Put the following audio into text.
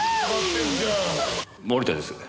森田です。